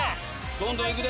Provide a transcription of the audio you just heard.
どんどん行くで！